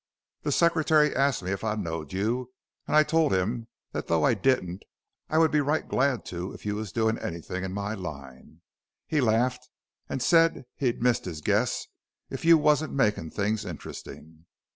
The Secretary asked me if I knowed you and I told him that though I didn't I would be right glad to if you was doing anything in my line. He laughed and said he'd miss his guess if you wasn't making things interesting.